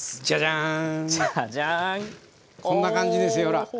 じゃじゃん。こんな感じですよほら。